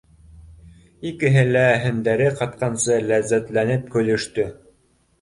Икеһе лә һендәре ҡатҡансы ләззәтләнеп көлөштө